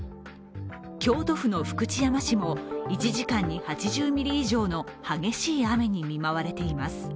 京都府の福知山市も、１時間に８０ミリ以上の激しい雨に見舞われています。